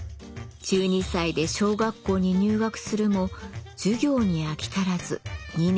１２歳で小学校に入学するも授業に飽き足らず２年で自主退学。